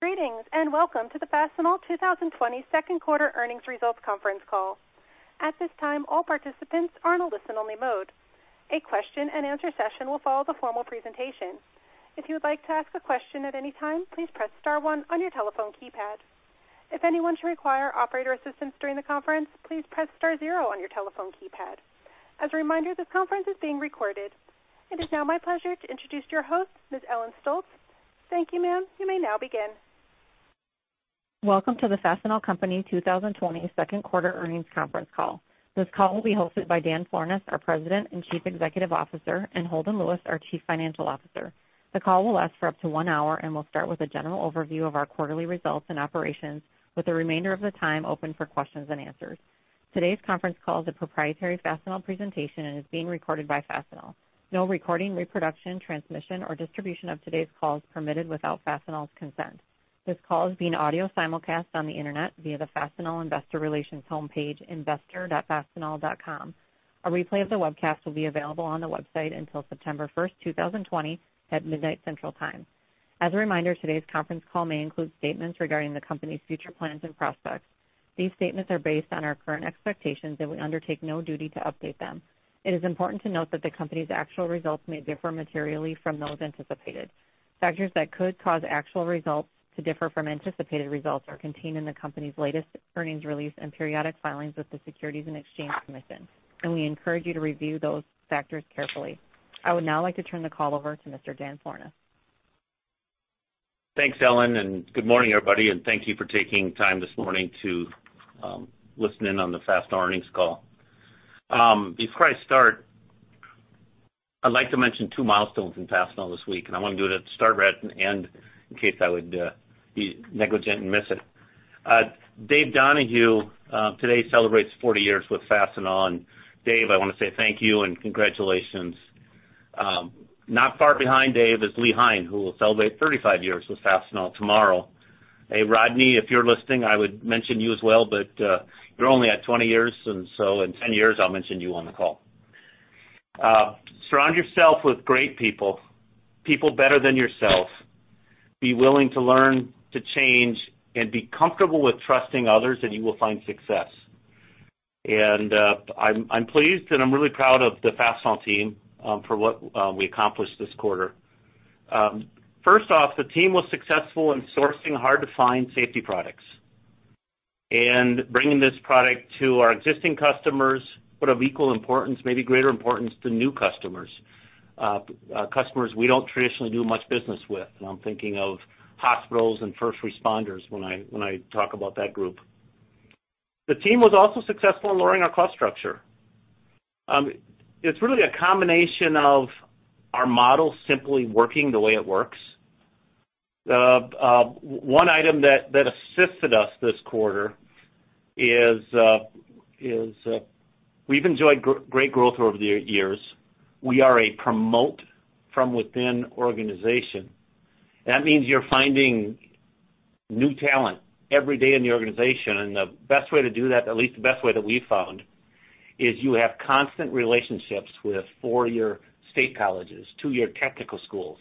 Greetings, and welcome to the Fastenal 2020 second quarter earnings results conference call. At this time, all participants are in a listen-only mode. A question and answer session will follow the formal presentation. If you would like to ask a question at any time, please press star one on your telephone keypad. If anyone should require operator assistance during the conference, please press star zero on your telephone keypad. As a reminder, this conference is being recorded. It is now my pleasure to introduce your host, Ms. Ellen Stolz. Thank you, ma'am. You may now begin. Welcome to the Fastenal Company 2020 second quarter earnings conference call. This call will be hosted by Dan Florness, our President and Chief Executive Officer, and Holden Lewis, our Chief Financial Officer. The call will last for up to one hour and will start with a general overview of our quarterly results and operations, with the remainder of the time open for questions and answers. Today's conference call is a proprietary Fastenal presentation and is being recorded by Fastenal. No recording, reproduction, transmission, or distribution of today's call is permitted without Fastenal's consent. This call is being audio simulcast on the internet via the Fastenal Investor Relations homepage, investor.fastenal.com. A replay of the webcast will be available on the website until September 1st, 2020, at midnight Central Time. As a reminder, today's conference call may include statements regarding the company's future plans and prospects. These statements are based on our current expectations, and we undertake no duty to update them. It is important to note that the company's actual results may differ materially from those anticipated. Factors that could cause actual results to differ from anticipated results are contained in the company's latest earnings release and periodic filings with the Securities and Exchange Commission, and we encourage you to review those factors carefully. I would now like to turn the call over to Mr. Dan Florness. Thanks, Ellen, and good morning, everybody, and thank you for taking time this morning to listen in on the Fastenal earnings call. Before I start, I'd like to mention two milestones in Fastenal this week, and I want to do it at the start and end in case I would be negligent and miss it. Dave Donahue today celebrates 40 years with Fastenal, and Dave, I want to say thank you and congratulations. Not far behind Dave is Lee Hein, who will celebrate 35 years with Fastenal tomorrow. Rodney, if you're listening, I would mention you as well, but you're only at 20 years, and so in 10 years, I'll mention you on the call. Surround yourself with great people better than yourself. Be willing to learn, to change, and be comfortable with trusting others, and you will find success. I'm pleased and I'm really proud of the Fastenal team for what we accomplished this quarter. First off, the team was successful in sourcing hard-to-find safety products and bringing this product to our existing customers, but of equal importance, maybe greater importance to new customers. Customers we don't traditionally do much business with. I'm thinking of hospitals and first responders when I talk about that group. The team was also successful in lowering our cost structure. It's really a combination of our model simply working the way it works. One item that assisted us this quarter is, we've enjoyed great growth over the years. We are a promote-from-within organization. That means you're finding new talent every day in the organization, and the best way to do that, at least the best way that we've found, is you have constant relationships with four-year state colleges, two-year technical schools,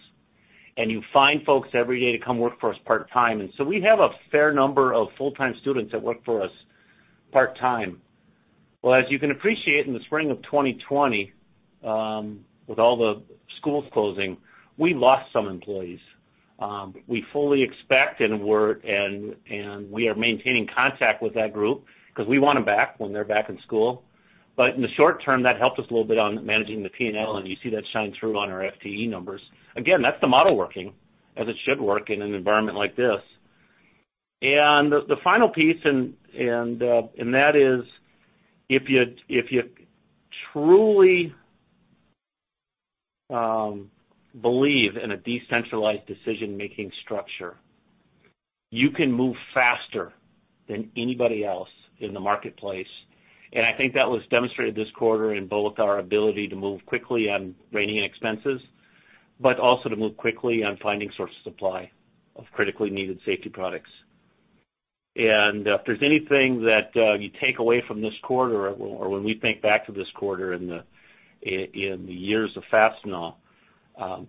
and you find folks every day to come work for us part-time. We have a fair number of full-time students that work for us part-time. Well, as you can appreciate, in the spring of 2020, with all the schools closing, we lost some employees. We fully expect and we are maintaining contact with that group because we want them back when they're back in school. In the short term, that helped us a little bit on managing the P&L, and you see that shine through on our FTE numbers. Again, that's the model working as it should work in an environment like this. The final piece, and that is if you truly believe in a decentralized decision-making structure, you can move faster than anybody else in the marketplace. I think that was demonstrated this quarter in both our ability to move quickly on reigning in expenses, but also to move quickly on finding sources of supply of critically needed safety products. If there's anything that you take away from this quarter or when we think back to this quarter in the years of Fastenal,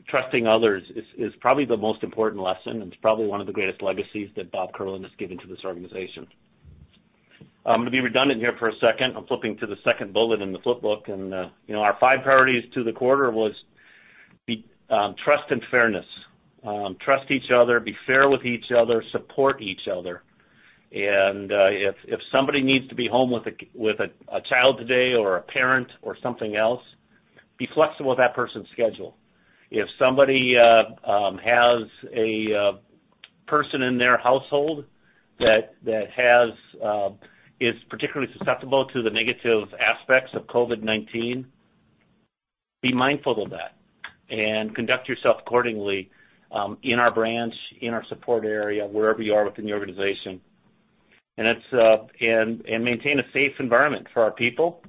trusting others is probably the most important lesson, and it's probably one of the greatest legacies that Bob Kierlin has given to this organization. I'm going to be redundant here for a second. I'm flipping to the second bullet in the flip book, and our five priorities to the quarter was trust and fairness. Trust each other, be fair with each other, support each other. If somebody needs to be home with a child today or a parent or something else, be flexible with that person's schedule. If somebody has a person in their household that is particularly susceptible to the negative aspects of COVID-19, be mindful of that and conduct yourself accordingly in our branch, in our support area, wherever you are within the organization. Maintain a safe environment for our people.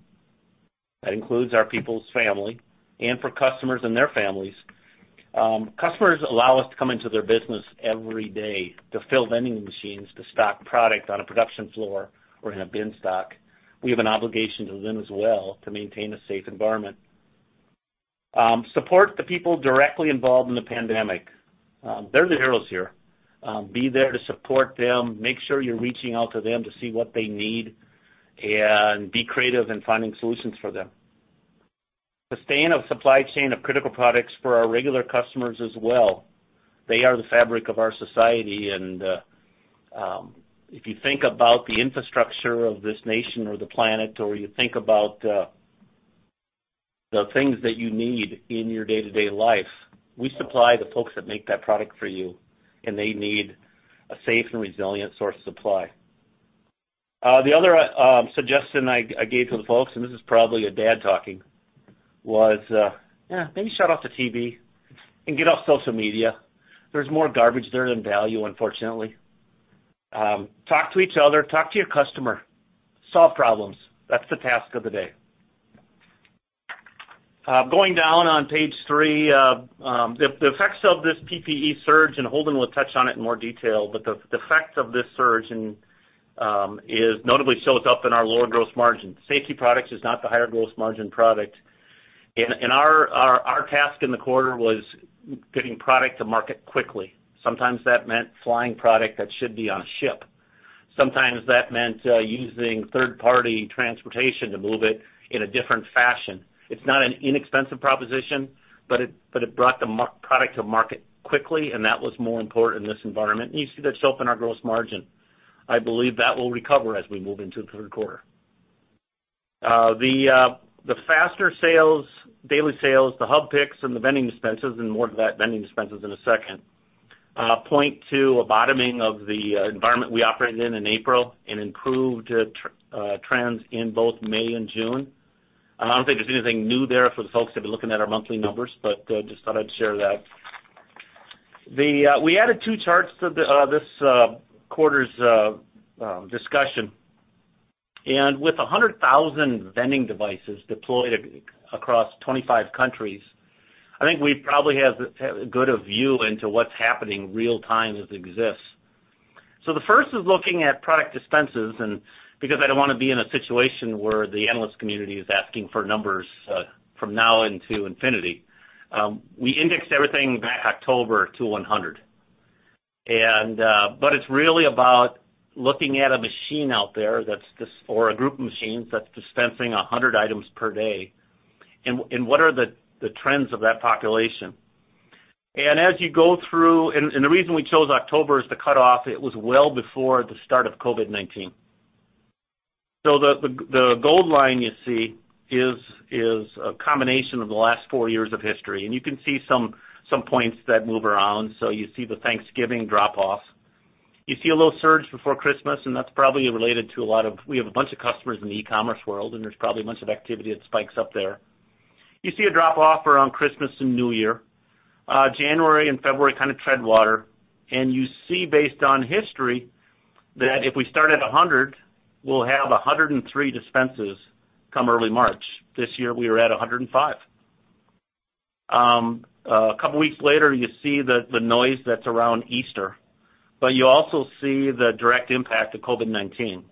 That includes our people's family and for customers and their families. Customers allow us to come into their business every day to fill vending machines, to stock product on a production floor or in a bin stock. We have an obligation to them as well to maintain a safe environment. Support the people directly involved in the pandemic. They're the heroes here. Be there to support them. Make sure you're reaching out to them to see what they need, and be creative in finding solutions for them. Sustain a supply chain of critical products for our regular customers as well. They are the fabric of our society. If you think about the infrastructure of this nation or the planet, or you think about the things that you need in your day-to-day life, we supply the folks that make that product for you, and they need a safe and resilient source of supply. The other suggestion I gave to the folks, and this is probably a dad talking, was maybe shut off the TV and get off social media. There's more garbage there than value, unfortunately. Talk to each other. Talk to your customer. Solve problems. That's the task of the day. Going down on page three, the effects of this PPE surge, Holden will touch on it in more detail, the effects of this surge notably shows up in our lower gross margin. Safety products is not the higher gross margin product. Our task in the quarter was getting product to market quickly. Sometimes that meant flying product that should be on a ship. Sometimes that meant using third-party transportation to move it in a different fashion. It's not an inexpensive proposition, it brought the product to market quickly, that was more important in this environment. You see that show up in our gross margin. I believe that will recover as we move into the third quarter. The faster sales, daily sales, the hub picks, and the vending dispenses, and more to that vending dispenses in a second, point to a bottoming of the environment we operated in in April and improved trends in both May and June. I don't think there's anything new there for the folks that have been looking at our monthly numbers, but just thought I'd share that. We added two charts to this quarter's discussion. With 100,000 vending devices deployed across 25 countries, I think we probably have as good of view into what's happening real time as exists. The first is looking at product dispenses, and because I don't want to be in a situation where the analyst community is asking for numbers from now into infinity, we indexed everything back October to 100. It's really about looking at a machine out there, or a group of machines, that's dispensing 100 items per day, and what are the trends of that population. As you go through, and the reason we chose October as the cutoff, it was well before the start of COVID-19. The gold line you see is a combination of the last four years of history. You can see some points that move around. You see the Thanksgiving drop off. You see a little surge before Christmas, and that's probably related to a lot of, we have a bunch of customers in the e-commerce world, and there's probably a bunch of activity that spikes up there. You see a drop off around Christmas and New Year. January and February kind of tread water. You see based on history that if we start at 100, we'll have 103 dispenses come early March. This year, we were at 105. A couple of weeks later, you see the noise that's around Easter, but you also see the direct impact of COVID-19.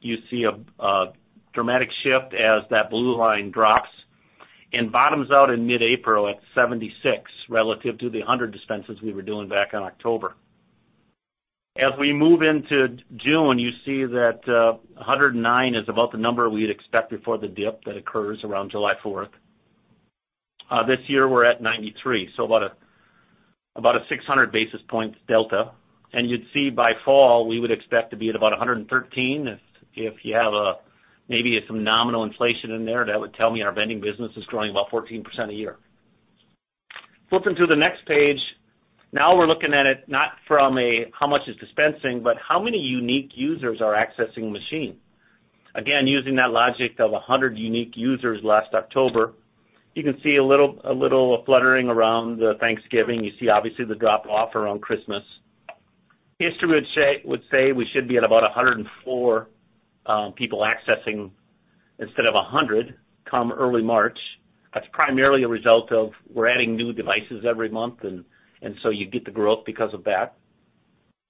You see a dramatic shift as that blue line drops and bottoms out in mid-April at 76 relative to the 100 dispenses we were doing back in October. As we move into June, you see that 109 is about the number we'd expect before the dip that occurs around July 4th. This year, we're at 93, so about a 600 basis points delta. You'd see by fall, we would expect to be at about 113. If you have maybe some nominal inflation in there, that would tell me our vending business is growing about 14% a year. Flipping to the next page. Now we're looking at it not from a how much it's dispensing, but how many unique users are accessing the machine. Again, using that logic of 100 unique users last October. You can see a little fluttering around Thanksgiving. You see, obviously, the drop off around Christmas. History would say we should be at about 104 people accessing instead of 100 come early March. That's primarily a result of we're adding new devices every month, you get the growth because of that.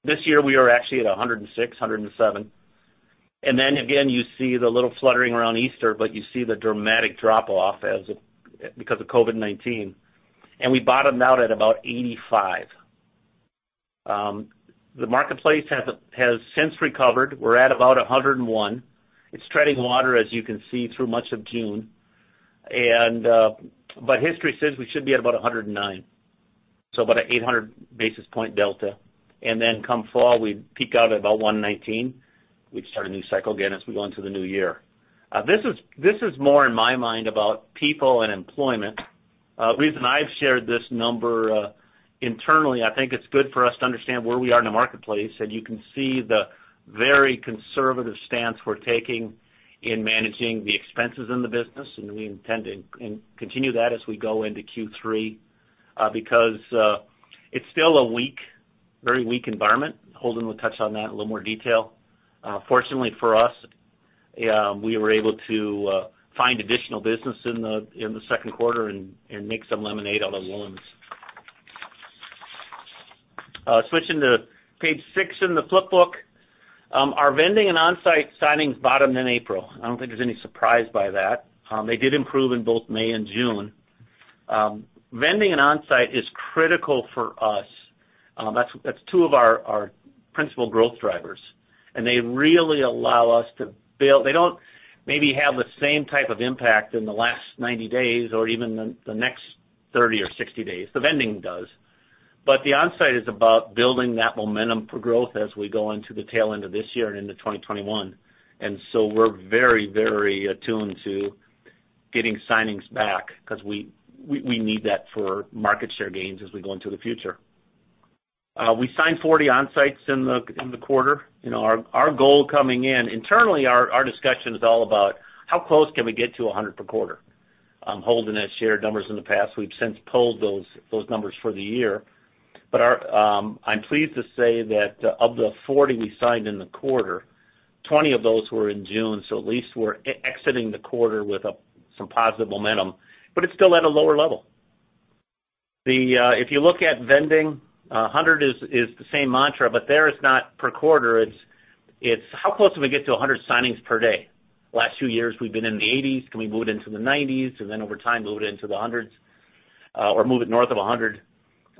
This year, we are actually at 106, 107. Again, you see the little fluttering around Easter, but you see the dramatic drop off because of COVID-19. We bottomed out at about 85. The marketplace has since recovered. We're at about 101. It's treading water, as you can see, through much of June. History says we should be at about 109, so about a 800 basis point delta. Come fall, we peak out at about 119. We'd start a new cycle again as we go into the new year. This is more in my mind about people and employment. The reason I've shared this number internally, I think it's good for us to understand where we are in the marketplace. You can see the very conservative stance we're taking in managing the expenses in the business, and we intend to continue that as we go into Q3 because it's still a very weak environment. Holden will touch on that in a little more detail. Fortunately for us, we were able to find additional business in the second quarter and make some lemonade out of lemons. Switching to page six in the flip book. Our vending and onsite signings bottomed in April. I don't think there's any surprise by that. They did improve in both May and June. Vending and onsite is critical for us. That's two of our principal growth drivers, and they really allow us to build. They don't maybe have the same type of impact in the last 90 days or even the next 30 or 60 days. The vending does. The onsite is about building that momentum for growth as we go into the tail end of this year and into 2021. We're very attuned to getting signings back because we need that for market share gains as we go into the future. We signed 40 onsites in the quarter. Our goal coming in, internally, our discussion is all about how close can we get to 100 per quarter. Holden has shared numbers in the past. We've since pulled those numbers for the year. I'm pleased to say that of the 40 we signed in the quarter, 20 of those were in June, so at least we're exiting the quarter with some positive momentum. It's still at a lower level. If you look at vending, 100 is the same mantra, but there it's not per quarter, it's how close can we get to 100 signings per day? Last few years, we've been in the 80s. Can we move it into the 90s and then over time, move it into the 100s or move it north of 100?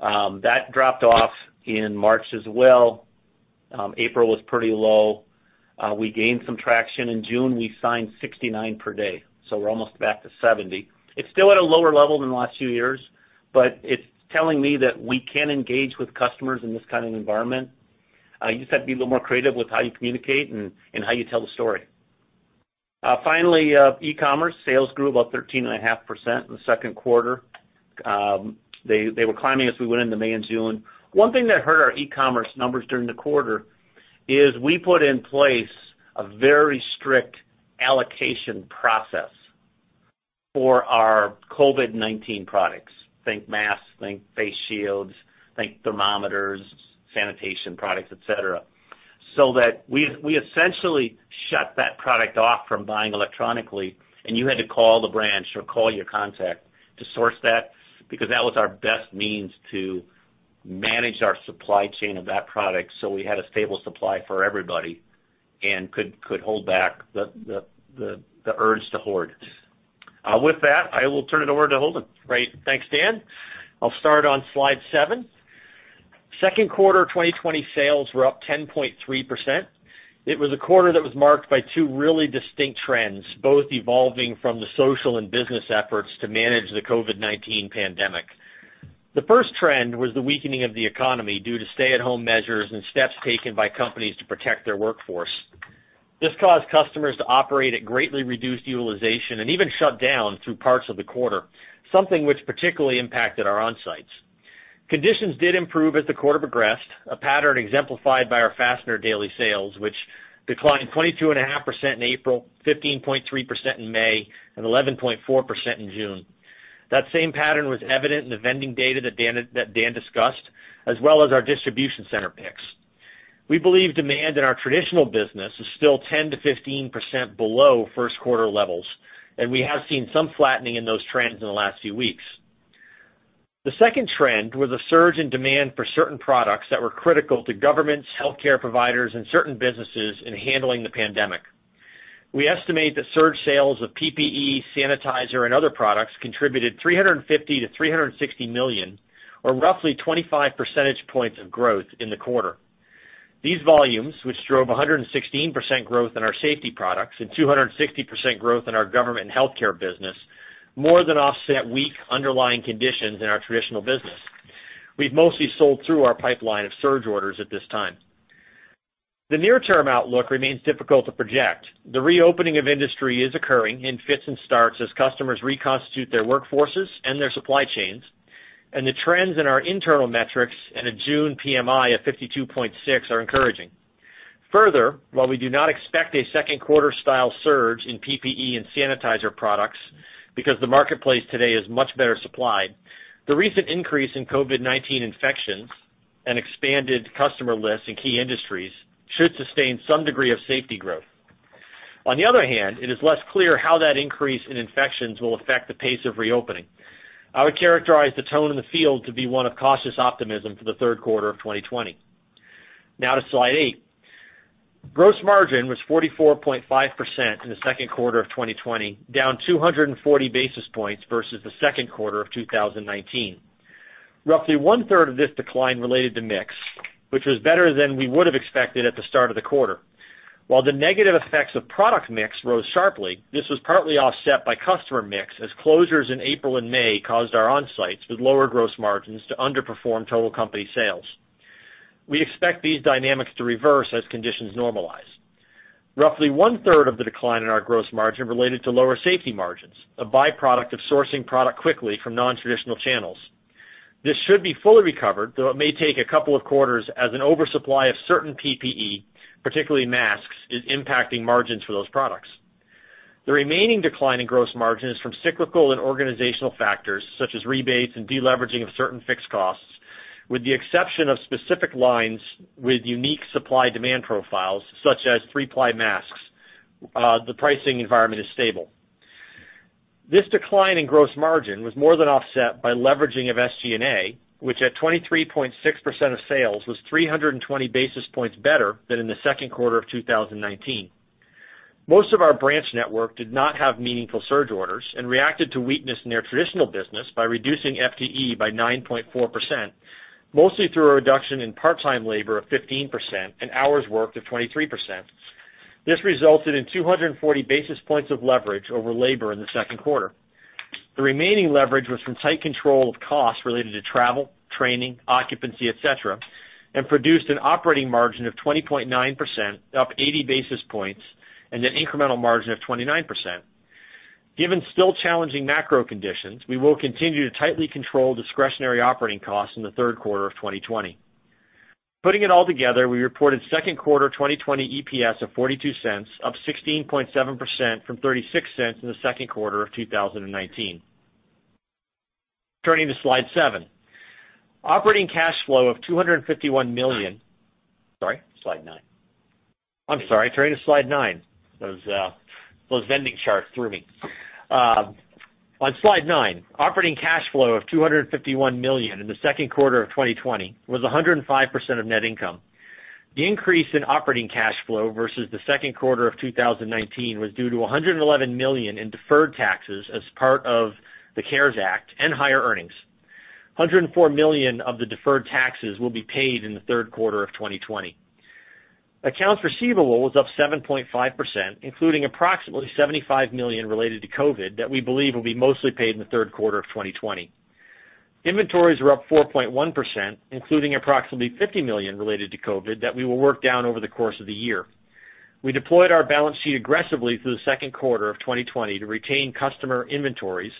That dropped off in March as well. April was pretty low. We gained some traction in June. We signed 69 per day. We're almost back to 70. It's still at a lower level than the last few years, but it's telling me that we can engage with customers in this kind of environment. You just have to be a little more creative with how you communicate and how you tell the story. Finally, e-commerce sales grew about 13.5% in the second quarter. They were climbing as we went into May and June. One thing that hurt our e-commerce numbers during the quarter is we put in place a very strict allocation process for our COVID-19 products. Think masks, think face shields, think thermometers, sanitation products, et cetera. That we essentially shut that product off from buying electronically, and you had to call the branch or call your contact to source that because that was our best means to manage our supply chain of that product, so we had a stable supply for everybody and could hold back the urge to hoard. With that, I will turn it over to Holden. Great. Thanks, Dan. I'll start on slide seven. Second quarter 2020 sales were up 10.3%. It was a quarter that was marked by two really distinct trends, both evolving from the social and business efforts to manage the COVID-19 pandemic. The first trend was the weakening of the economy due to stay-at-home measures and steps taken by companies to protect their workforce. This caused customers to operate at greatly reduced utilization and even shut down through parts of the quarter, something which particularly impacted our onsites. Conditions did improve as the quarter progressed, a pattern exemplified by our fastener daily sales, which declined 22.5% in April, 15.3% in May, and 11.4% in June. That same pattern was evident in the vending data that Dan discussed, as well as our distribution center picks. We believe demand in our traditional business is still 10%-15% below first quarter levels, and we have seen some flattening in those trends in the last few weeks. The second trend was a surge in demand for certain products that were critical to governments, healthcare providers, and certain businesses in handling the pandemic. We estimate that surge sales of PPE, sanitizer, and other products contributed $350 million-$360 million, or roughly 25 percentage points of growth in the quarter. These volumes, which drove 116% growth in our safety products and 260% growth in our government and healthcare business, more than offset weak underlying conditions in our traditional business. We've mostly sold through our pipeline of surge orders at this time. The near-term outlook remains difficult to project. The reopening of industry is occurring in fits and starts as customers reconstitute their workforces and their supply chains, and the trends in our internal metrics and a June PMI of 52.6 are encouraging. Further, while we do not expect a second quarter style surge in PPE and sanitizer products because the marketplace today is much better supplied, the recent increase in COVID-19 infections and expanded customer lists in key industries should sustain some degree of safety growth. On the other hand, it is less clear how that increase in infections will affect the pace of reopening. I would characterize the tone in the field to be one of cautious optimism for the third quarter of 2020. Now to slide eight. Gross margin was 44.5% in the second quarter of 2020, down 240 basis points versus the second quarter of 2019. Roughly one-third of this decline related to mix, which was better than we would have expected at the start of the quarter. While the negative effects of product mix rose sharply, this was partly offset by customer mix as closures in April and May caused our onsites with lower gross margins to underperform total company sales. We expect these dynamics to reverse as conditions normalize. Roughly one-third of the decline in our gross margin related to lower safety margins, a byproduct of sourcing product quickly from non-traditional channels. This should be fully recovered, though it may take a couple of quarters as an oversupply of certain PPE, particularly masks, is impacting margins for those products. The remaining decline in gross margin is from cyclical and organizational factors, such as rebates and de-leveraging of certain fixed costs. With the exception of specific lines with unique supply-demand profiles, such as three-ply masks, the pricing environment is stable. This decline in gross margin was more than offset by leveraging of SG&A, which at 23.6% of sales was 320 basis points better than in the second quarter of 2019. Most of our branch network did not have meaningful surge orders and reacted to weakness in their traditional business by reducing FTE by 9.4%, mostly through a reduction in part-time labor of 15% and hours worked of 23%. This resulted in 240 basis points of leverage over labor in the second quarter. The remaining leverage was from tight control of costs related to travel, training, occupancy, et cetera, and produced an operating margin of 20.9%, up 80 basis points, and an incremental margin of 29%. Given still challenging macro conditions, we will continue to tightly control discretionary operating costs in the third quarter of 2020. Putting it all together, we reported second quarter 2020 EPS of $0.42, up 16.7% from $0.36 in the second quarter of 2019. Turning to slide seven. Operating cash flow of $251 million. Sorry, slide nine. I'm sorry, turning to slide nine. Those vending charts threw me. On slide nine, operating cash flow of $251 million in the second quarter of 2020 was 105% of net income. The increase in operating cash flow versus the second quarter of 2019 was due to $111 million in deferred taxes as part of the CARES Act and higher earnings. $104 million of the deferred taxes will be paid in the third quarter of 2020. Accounts receivable was up 7.5%, including approximately $75 million related to COVID that we believe will be mostly paid in the third quarter of 2020. Inventories were up 4.1%, including approximately $50 million related to COVID that we will work down over the course of the year. We deployed our balance sheet aggressively through the second quarter of 2020 to retain customer inventories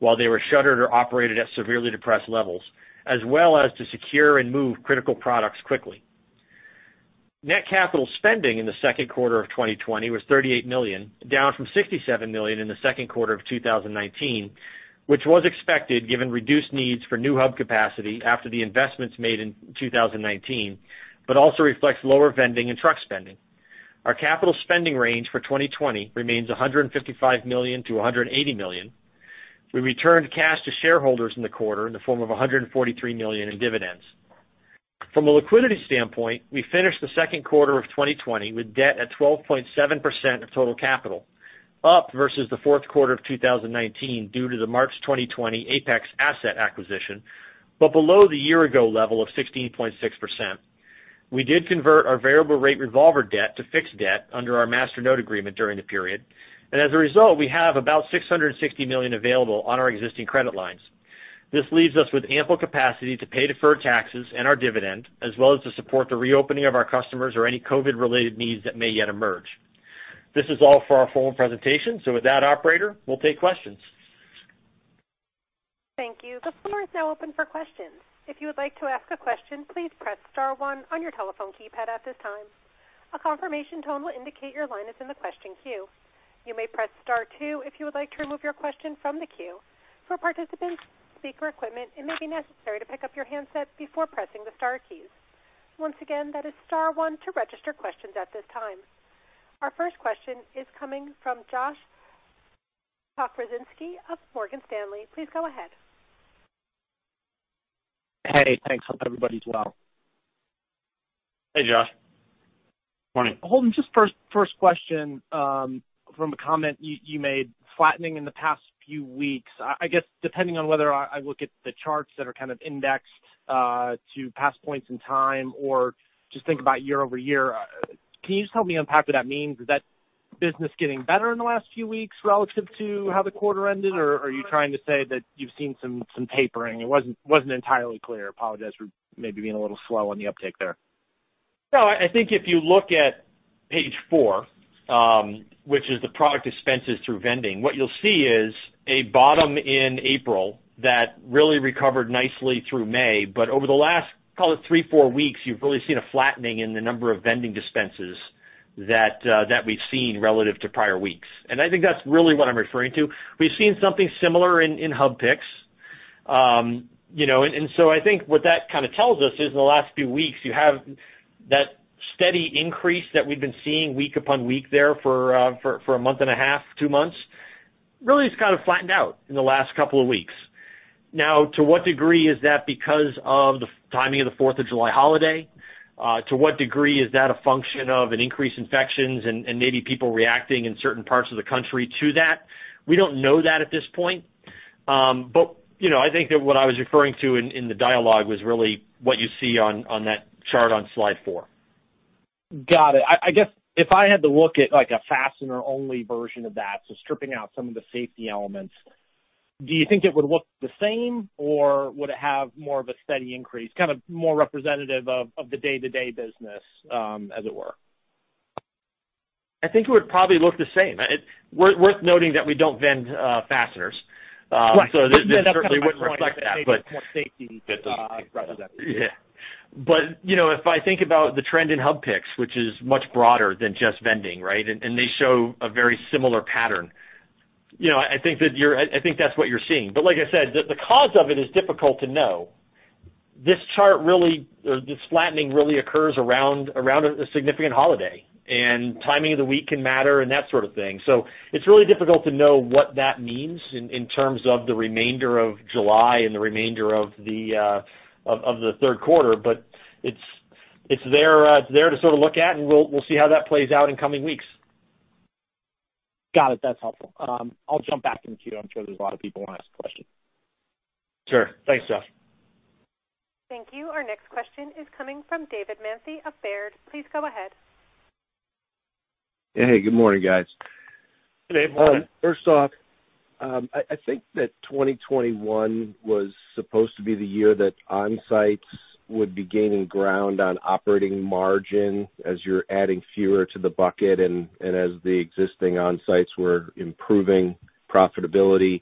while they were shuttered or operated at severely depressed levels, as well as to secure and move critical products quickly. Net capital spending in the second quarter of 2020 was $38 million, down from $67 million in the second quarter of 2019, which was expected given reduced needs for new hub capacity after the investments made in 2019, but also reflects lower vending and truck spending. Our capital spending range for 2020 remains $155 million-$180 million. We returned cash to shareholders in the quarter in the form of $143 million in dividends. From a liquidity standpoint, we finished the second quarter of 2020 with debt at 12.7% of total capital, up versus the fourth quarter of 2019 due to the March 2020 Apex asset acquisition, but below the year-ago level of 16.6%. We did convert our variable rate revolver debt to fixed debt under our master note agreement during the period. As a result, we have about $660 million available on our existing credit lines. This leaves us with ample capacity to pay deferred taxes and our dividend, as well as to support the reopening of our customers or any COVID-related needs that may yet emerge. This is all for our formal presentation. With that, operator, we'll take questions. Thank you. The floor is now open for questions. If you would like to ask a question, please press star one on your telephone keypad at this time. A confirmation tone will indicate your line is in the question queue. You may press star two if you would like to remove your question from the queue. For participants with speaker equipment, it may be necessary to pick up your handset before pressing the star keys. Once again, that is star one to register questions at this time. Our first question is coming from Josh Pokrzywinski of Morgan Stanley. Please go ahead. Hey, thanks. Hope everybody's well. Hey, Josh. Morning. Holden, just first question from a comment you made, flattening in the past few weeks. I guess depending on whether I look at the charts that are kind of indexed to past points in time or just think about year-over-year, can you just help me unpack what that means? Is that business getting better in the last few weeks relative to how the quarter ended, or are you trying to say that you've seen some tapering? It wasn't entirely clear. I apologize for maybe being a little slow on the uptake there. No, I think if you look at page four, which is the product dispenses through vending, what you'll see is a bottom in April that really recovered nicely through May. Over the last, call it three, four weeks, you've really seen a flattening in the number of vending dispenses that we've seen relative to prior weeks, and I think that's really what I'm referring to. We've seen something similar in hub picks. I think what that kind of tells us is in the last few weeks, you have that steady increase that we've been seeing week upon week there for a month and a half, two months, really has kind of flattened out in the last couple of weeks. Now, to what degree is that because of the timing of the Fourth of July holiday? To what degree is that a function of an increase in infections and maybe people reacting in certain parts of the country to that? We don't know that at this point. I think that what I was referring to in the dialogue was really what you see on that chart on slide four. Got it. I guess if I had to look at a fastener-only version of that, so stripping out some of the safety elements, do you think it would look the same, or would it have more of a steady increase, kind of more representative of the day-to-day business, as it were? I think it would probably look the same. Worth noting that we don't vend fasteners. Right. That certainly wouldn't reflect that. That's what I was wondering, maybe it's more safety representative. If I think about the trend in hub picks, which is much broader than just vending, right? They show a very similar pattern. I think that's what you're seeing. Like I said, the cause of it is difficult to know. This chart really, this flattening really occurs around a significant holiday, and timing of the week can matter and that sort of thing. It's really difficult to know what that means in terms of the remainder of July and the remainder of the third quarter. It's there to sort of look at, and we'll see how that plays out in coming weeks. Got it. That's helpful. I'll jump back in the queue. I'm sure there's a lot of people who want to ask questions. Sure. Thanks, Josh. Thank you. Our next question is coming from David Manthey of Baird. Please go ahead. Hey, good morning, guys. Hey, David. First off, I think that 2021 was supposed to be the year that onsites would be gaining ground on operating margin as you're adding fewer to the bucket and as the existing onsites were improving profitability.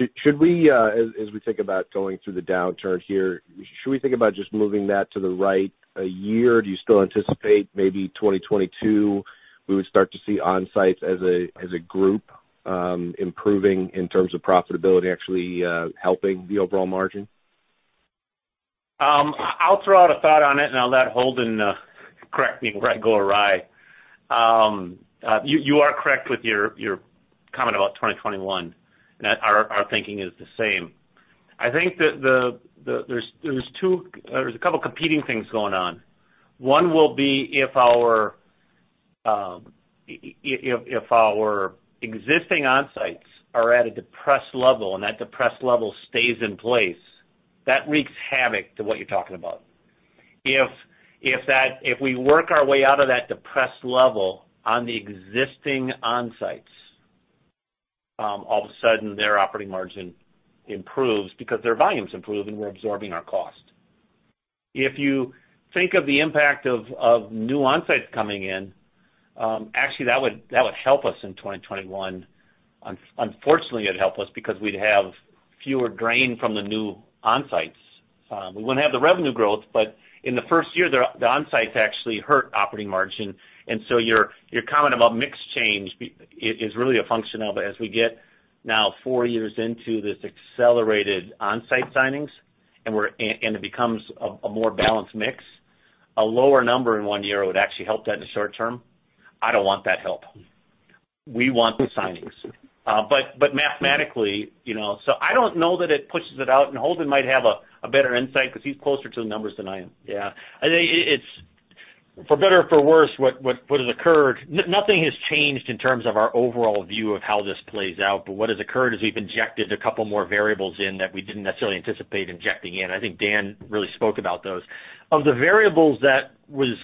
As we think about going through the downturn here, should we think about just moving that to the right a year? Do you still anticipate maybe 2022, we would start to see onsites as a group, improving in terms of profitability, actually helping the overall margin? I'll throw out a thought on it, and I'll let Holden correct me if I go awry. You are correct with your comment about 2021, and our thinking is the same. I think there's a couple of competing things going on. One will be if our existing onsites are at a depressed level, and that depressed level stays in place. That wreaks havoc to what you're talking about. If we work our way out of that depressed level on the existing onsites, all of a sudden, their operating margin improves because their volumes improve, and we're absorbing our cost. If you think of the impact of new onsites coming in, actually that would help us in 2021. Unfortunately, it would help us because we'd have fewer drain from the new onsites. We wouldn't have the revenue growth, but in the first year, the onsites actually hurt operating margin. Your comment about mix change is really a function of as we get now 4 years into this accelerated onsite signings, and it becomes a more balanced mix. A lower number in one year would actually help that in the short term. I don't want that help. We want the signings. Mathematically, I don't know that it pushes it out, and Holden might have a better insight because he's closer to the numbers than I am. Yeah. For better or for worse, what has occurred, nothing has changed in terms of our overall view of how this plays out. What has occurred is we've injected a couple more variables in that we didn't necessarily anticipate injecting in. I think Dan really spoke about those. Of the variables that was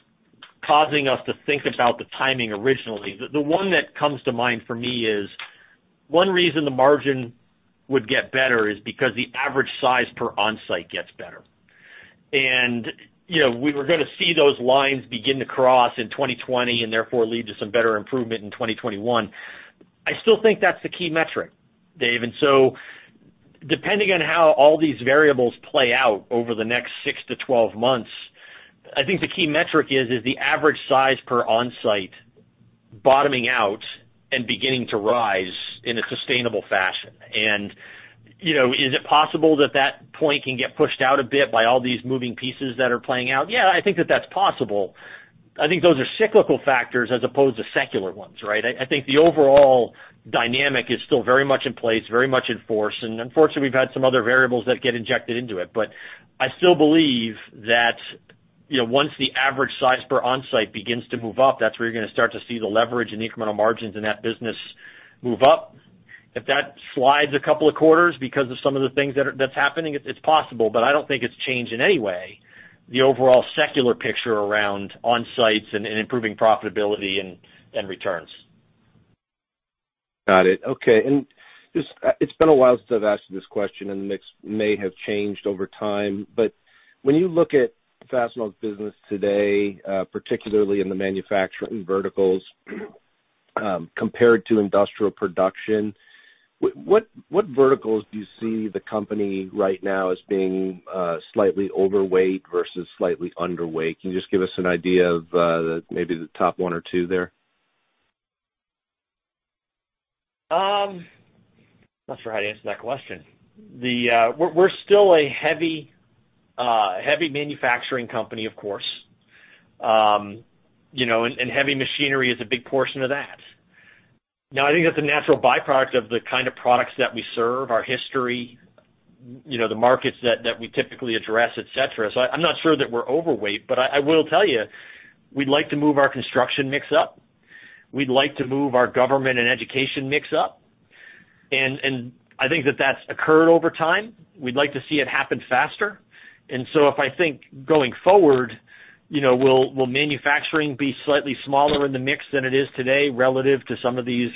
causing us to think about the timing originally, the one that comes to mind for me is one reason the margin would get better is because the average size per onsite gets better. We were going to see those lines begin to cross in 2020, and therefore lead to some better improvement in 2021. I still think that's the key metric, David. Depending on how all these variables play out over the next six to 12 months, I think the key metric is the average size per onsite bottoming out and beginning to rise in a sustainable fashion. Is it possible that point can get pushed out a bit by all these moving pieces that are playing out? Yeah, I think that's possible. I think those are cyclical factors as opposed to secular ones, right? I think the overall dynamic is still very much in place, very much in force, and unfortunately, we've had some other variables that get injected into it. I still believe that once the average size per onsite begins to move up, that's where you're going to start to see the leverage and the incremental margins in that business move up. If that slides a couple of quarters because of some of the things that's happening, it's possible, but I don't think it's changed in any way the overall secular picture around onsites and improving profitability and returns. Got it. Okay. It's been a while since I've asked you this question, and the mix may have changed over time, but when you look at Fastenal's business today, particularly in the manufacturing verticals compared to industrial production, what verticals do you see the company right now as being slightly overweight versus slightly underweight? Can you just give us an idea of maybe the top one or two there? Not sure how to answer that question. We're still a heavy manufacturing company, of course. Heavy machinery is a big portion of that. I think that's a natural byproduct of the kind of products that we serve, our history, the markets that we typically address, et cetera. I'm not sure that we're overweight, but I will tell you, we'd like to move our construction mix up. We'd like to move our government and education mix up. I think that that's occurred over time. We'd like to see it happen faster. If I think going forward, will manufacturing be slightly smaller in the mix than it is today relative to some of these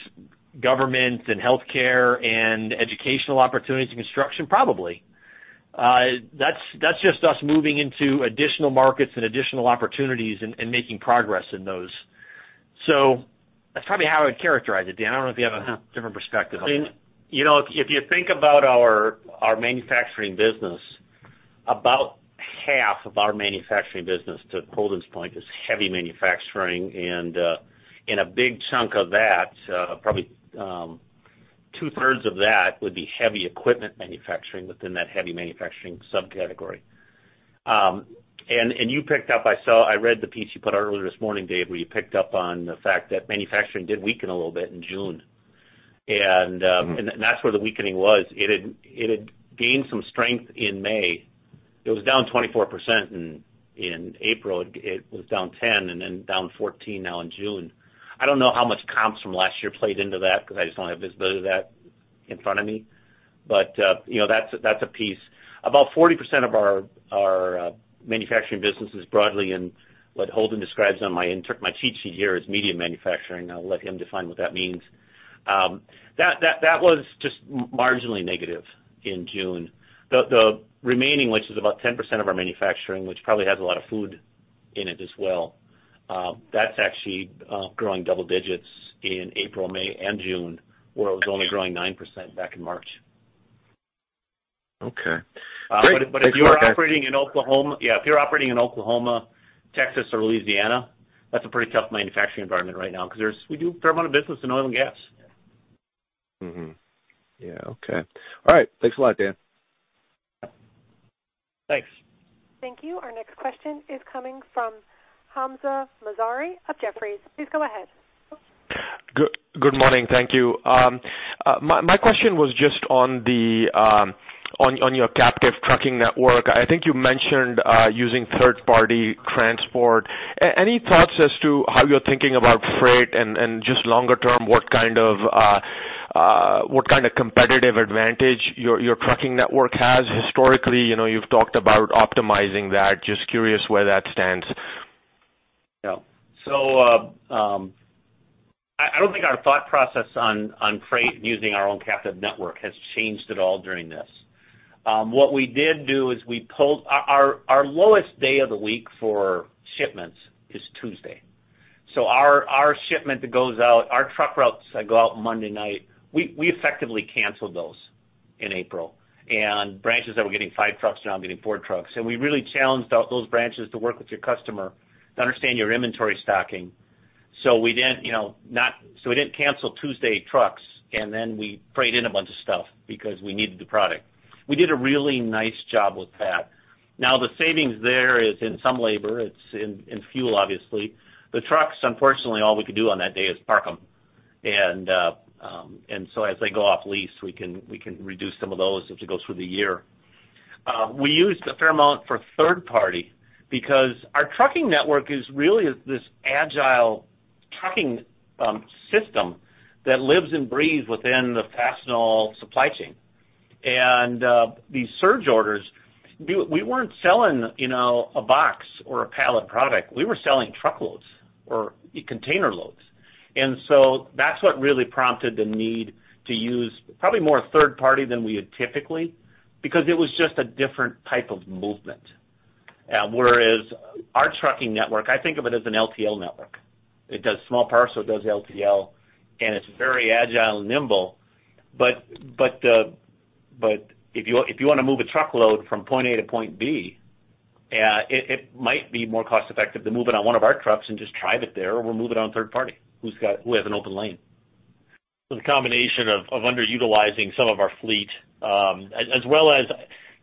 government and healthcare and educational opportunities and construction? Probably. That's just us moving into additional markets and additional opportunities and making progress in those. That's probably how I would characterize it, Dan. I don't know if you have a different perspective on that. If you think about our manufacturing business, about half of our manufacturing business, to Holden's point, is heavy manufacturing, and a big chunk of that, probably. Two-thirds of that would be heavy equipment manufacturing within that heavy manufacturing subcategory. You picked up, I read the piece you put out earlier this morning, Dave, where you picked up on the fact that manufacturing did weaken a little bit in June. That's where the weakening was. It had gained some strength in May. It was down 24% in April. It was down 10% and then down 14% now in June. I don't know how much comps from last year played into that because I just don't have visibility of that in front of me. That's a piece. About 40% of our manufacturing business is broadly in what Holden describes on my cheat sheet here as medium manufacturing. I'll let him define what that means. That was just marginally negative in June. The remaining, which is about 10% of our manufacturing, which probably has a lot of food in it as well, that's actually growing double digits in April, May, and June, where it was only growing 9% back in March. Okay. Great. Thanks a lot, guys. If you're operating in Oklahoma, Texas, or Louisiana, that's a pretty tough manufacturing environment right now, because we do a fair amount of business in oil and gas. Mm-hmm. Yeah. Okay. All right. Thanks a lot, Dan. Thanks. Thank you. Our next question is coming from Hamzah Mazari of Jefferies. Please go ahead. Good morning. Thank you. My question was just on your captive trucking network. I think you mentioned using third-party transport. Any thoughts as to how you're thinking about freight and just longer term, what kind of competitive advantage your trucking network has historically? You've talked about optimizing that. Just curious where that stands. I don't think our thought process on freight using our own captive network has changed at all during this. What we did do is we pulled our lowest day of the week for shipments is Tuesday. Our shipment that goes out, our truck routes that go out Monday night, we effectively canceled those in April. Branches that were getting five trucks are now getting four trucks. We really challenged those branches to work with your customer to understand your inventory stocking. We didn't cancel Tuesday trucks, we freight in a bunch of stuff because we needed the product. We did a really nice job with that. Now, the savings there is in some labor. It's in fuel, obviously. The trucks, unfortunately, all we could do on that day is park them. As they go off lease, we can reduce some of those as it goes through the year. We used a fair amount for third party because our trucking network is really this agile trucking system that lives and breathes within the Fastenal supply chain. These surge orders, we weren't selling a box or a pallet of product. We were selling truckloads or container loads. That's what really prompted the need to use probably more third party than we had typically, because it was just a different type of movement. Whereas our trucking network, I think of it as an LTL network. It does small parcel, it does LTL, and it's very agile and nimble. If you want to move a truckload from point A to point B, it might be more cost effective to move it on one of our trucks and just drive it there, or we'll move it on third party, who has an open lane. The combination of underutilizing some of our fleet, as well as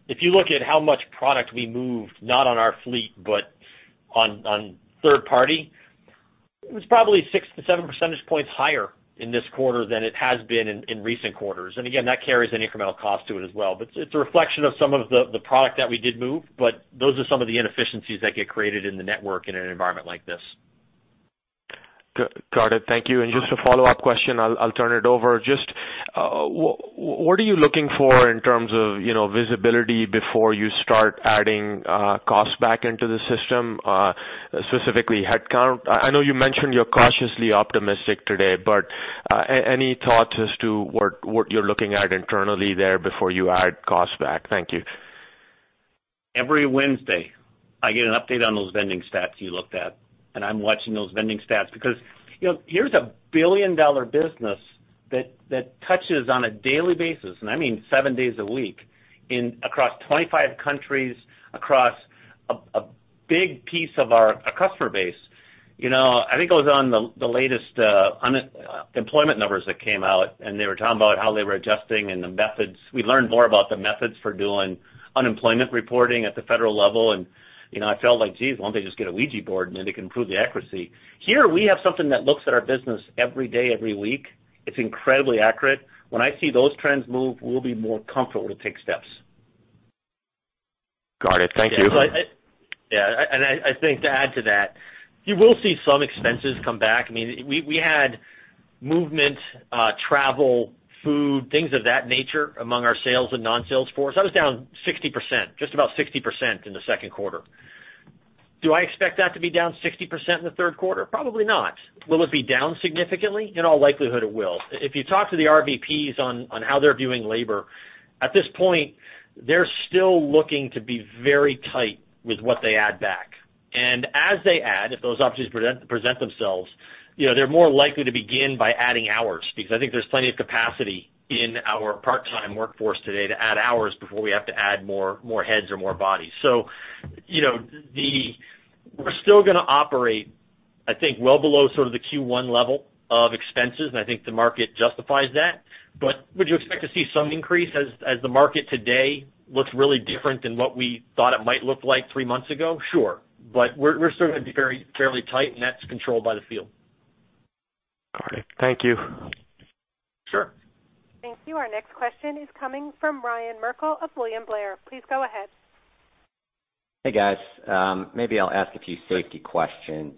if you look at how much product we moved, not on our fleet, but on third party, it was probably 6 to 7 percentage points higher in this quarter than it has been in recent quarters. Again, that carries an incremental cost to it as well. It's a reflection of some of the product that we did move, but those are some of the inefficiencies that get created in the network in an environment like this. Got it. Thank you. Just a follow-up question, I'll turn it over. Just, what are you looking for in terms of visibility before you start adding cost back into the system? Specifically headcount. I know you mentioned you're cautiously optimistic today, any thoughts as to what you're looking at internally there before you add cost back? Thank you. Every Wednesday, I get an update on those vending stats you looked at, and I'm watching those vending stats because here's a billion-dollar business that touches on a daily basis, and I mean seven days a week, across 25 countries, across a big piece of our customer base. I think I was on the latest unemployment numbers that came out, and they were talking about how they were adjusting and the methods. We learned more about the methods for doing unemployment reporting at the federal level, and I felt like, geez, why don't they just get a Ouija board and then they can improve the accuracy? Here, we have something that looks at our business every day, every week. It's incredibly accurate. When I see those trends move, we'll be more comfortable to take steps. Got it. Thank you. Yeah. I think to add to that, you will see some expenses come back. We had movement, travel, food, things of that nature among our sales and non-sales force. That was down 60%, just about 60% in the second quarter. Do I expect that to be down 60% in the third quarter? Probably not. Will it be down significantly? In all likelihood, it will. If you talk to the RVPs on how they're viewing labor, at this point, they're still looking to be very tight with what they add back. As they add, if those opportunities present themselves, they're more likely to begin by adding hours, because I think there's plenty of capacity in our part-time workforce today to add hours before we have to add more heads or more bodies. We're still going to operate I think well below sort of the Q1 level of expenses, and I think the market justifies that. Would you expect to see some increase as the market today looks really different than what we thought it might look like three months ago? Sure. We're sort of very fairly tight, and that's controlled by the field. Got it. Thank you. Sure. Thank you. Our next question is coming from Ryan Merkel of William Blair. Please go ahead. Hey, guys. Maybe I'll ask a few safety questions.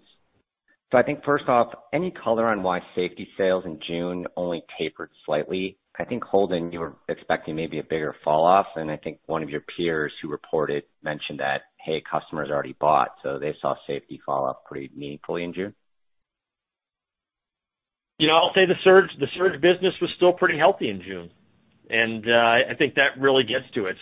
I think first off, any color on why safety sales in June only tapered slightly? I think, Holden, you were expecting maybe a bigger fall off, and I think one of your peers who reported mentioned that, "Hey, customers already bought," so they saw safety fall off pretty meaningfully in June. I'll say the surge business was still pretty healthy in June. I think that really gets to it.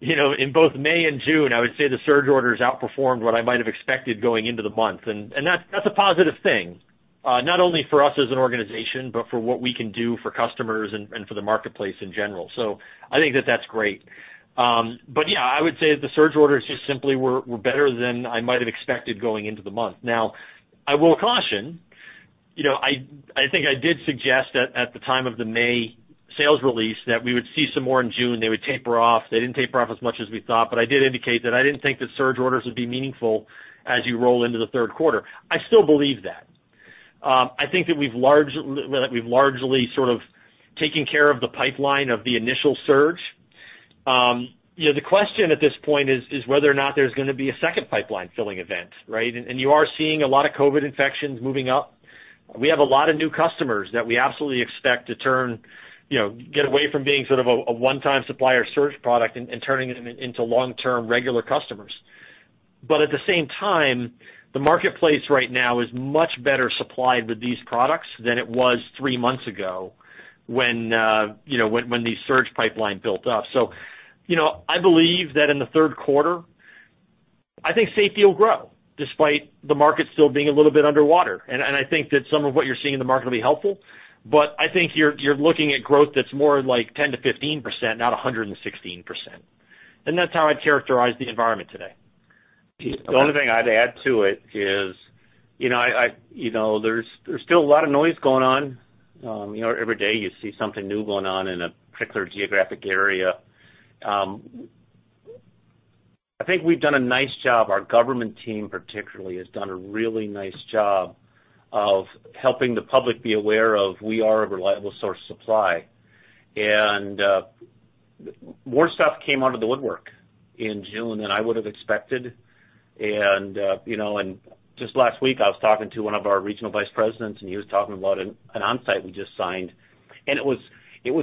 In both May and June, I would say the surge orders outperformed what I might have expected going into the month. That's a positive thing, not only for us as an organization, but for what we can do for customers and for the marketplace in general. I think that that's great. Yeah, I would say that the surge orders just simply were better than I might have expected going into the month. Now, I will caution, I think I did suggest that at the time of the May sales release that we would see some more in June. They would taper off. They didn't taper off as much as we thought, I did indicate that I didn't think the surge orders would be meaningful as you roll into the third quarter. I still believe that. I think that we've largely sort of taken care of the pipeline of the initial surge. The question at this point is whether or not there's gonna be a second pipeline filling event, right? You are seeing a lot of COVID-19 infections moving up. We have a lot of new customers that we absolutely expect to get away from being sort of a one-time supplier surge product and turning them into long-term regular customers. At the same time, the marketplace right now is much better supplied with these products than it was three months ago when the surge pipeline built up. I believe that in the third quarter, I think safety will grow despite the market still being a little bit underwater. I think that some of what you're seeing in the market will be helpful, but I think you're looking at growth that's more like 10%-15%, not 116%. That's how I'd characterize the environment today. Okay. The only thing I'd add to it is there's still a lot of noise going on. Every day you see something new going on in a particular geographic area. I think we've done a nice job. Our government team particularly has done a really nice job of helping the public be aware of we are a reliable source of supply. More stuff came out of the woodwork in June than I would've expected. Just last week, I was talking to one of our regional vice presidents, and he was talking about an onsite we just signed, and it was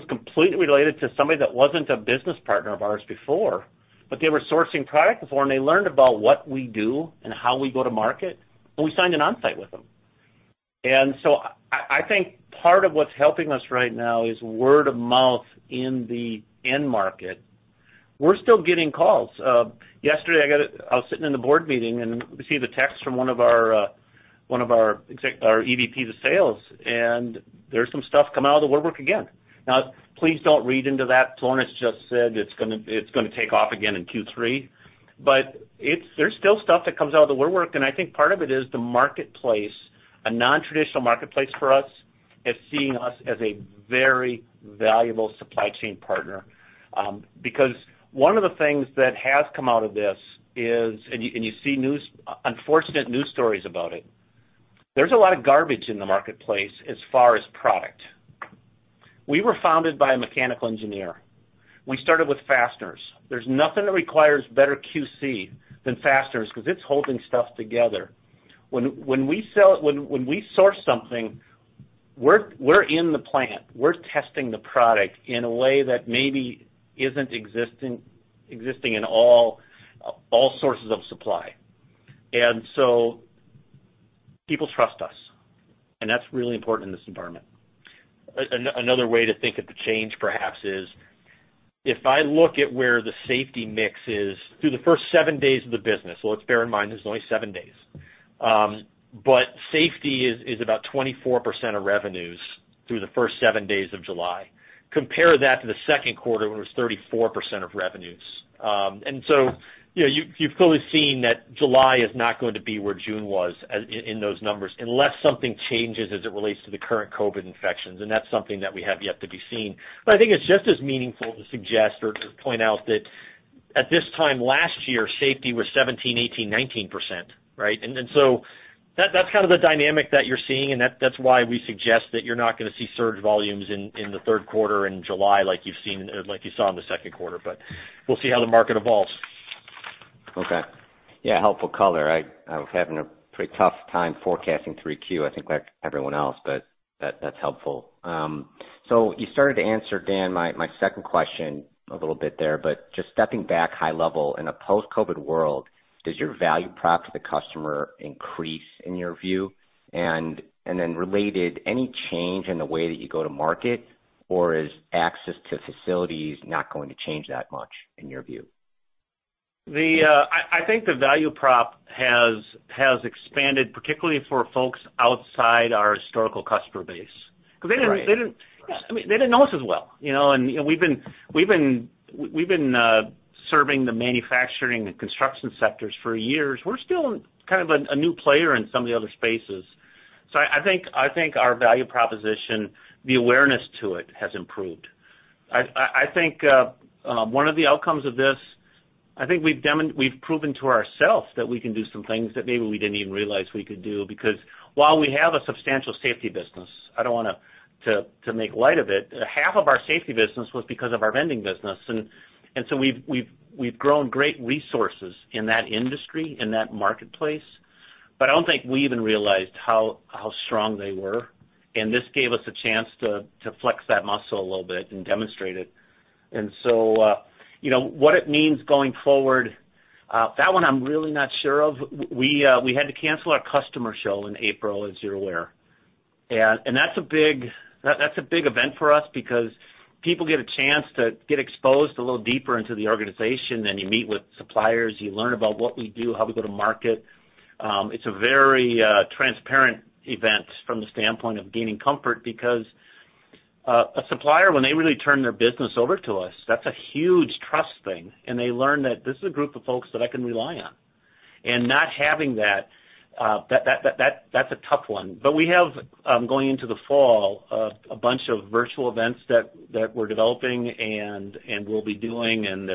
completely related to somebody that wasn't a business partner of ours before, but they were sourcing product before, and they learned about what we do and how we go to market, and we signed an onsite with them. I think part of what's helping us right now is word of mouth in the end market. We're still getting calls. Yesterday, I was sitting in the board meeting, and we see the text from one of our EVP of sales, and there's some stuff coming out of the woodwork again. Please don't read into that. Florness just said it's gonna take off again in Q3. There's still stuff that comes out of the woodwork, and I think part of it is the marketplace, a non-traditional marketplace for us, is seeing us as a very valuable supply chain partner. One of the things that has come out of this is, and you see unfortunate news stories about it. There's a lot of garbage in the marketplace as far as product. We were founded by a mechanical engineer. We started with fasteners. There's nothing that requires better QC than fasteners because it's holding stuff together. When we source something, we're in the plant. We're testing the product in a way that maybe isn't existing in all sources of supply. People trust us, and that's really important in this environment. Another way to think of the change, perhaps, is if I look at where the safety mix is through the first seven days of the business. Let's bear in mind, this is only seven days. Safety is about 24% of revenues through the first seven days of July. Compare that to the second quarter, when it was 34% of revenues. You've clearly seen that July is not going to be where June was in those numbers unless something changes as it relates to the current COVID-19 infections, and that's something that we have yet to be seen. I think it's just as meaningful to suggest or to point out that at this time last year, safety was 17%, 18%, 19%, right? That's kind of the dynamic that you're seeing, and that's why we suggest that you're not gonna see surge volumes in the third quarter in July like you saw in the second quarter. We'll see how the market evolves. Okay. Yeah, helpful color. I'm having a pretty tough time forecasting 3Q. I think like everyone else, but that's helpful. You started to answer, Dan, my second question a little bit there. Just stepping back high level, in a post-COVID-19 world, does your value prop to the customer increase in your view? Then related, any change in the way that you go to market, or is access to facilities not going to change that much in your view? I think the value prop has expanded, particularly for folks outside our historical customer base. Right. Because they didn't know us as well. We've been. Serving the manufacturing and construction sectors for years, we're still kind of a new player in some of the other spaces. I think our value proposition, the awareness to it, has improved. I think one of the outcomes of this, I think we've proven to ourselves that we can do some things that maybe we didn't even realize we could do, because while we have a substantial safety business, I don't want to make light of it, half of our safety business was because of our vending business. We've grown great resources in that industry, in that marketplace, but I don't think we even realized how strong they were, and this gave us a chance to flex that muscle a little bit and demonstrate it. What it means going forward, that one I'm really not sure of. We had to cancel our customer show in April, as you're aware. That's a big event for us because people get a chance to get exposed a little deeper into the organization. You meet with suppliers, you learn about what we do, how we go to market. It's a very transparent event from the standpoint of gaining comfort because, a supplier, when they really turn their business over to us, that's a huge trust thing, and they learn that this is a group of folks that I can rely on. Not having that's a tough one. We have, going into the fall, a bunch of virtual events that we're developing and we'll be doing, and